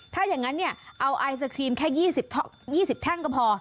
ถ้าอย่างนั้นเอาไอศครีมแค่๒๐แท่งก็พอ